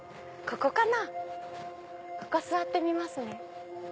ここ座ってみますね。